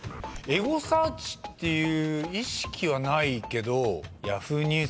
エゴサーチっていう意識はないけど。